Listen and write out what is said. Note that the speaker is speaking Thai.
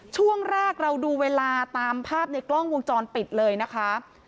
ช่วงแรกเราดูเวลาตามภาพในกล้องวงจรปิดเลยนะคะ